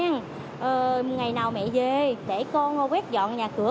ngày nào mẹ về để con quét dọn nhà cửa